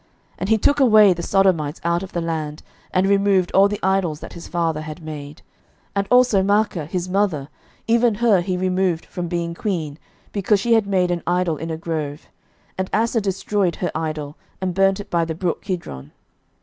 11:015:012 And he took away the sodomites out of the land, and removed all the idols that his fathers had made. 11:015:013 And also Maachah his mother, even her he removed from being queen, because she had made an idol in a grove; and Asa destroyed her idol, and burnt it by the brook Kidron.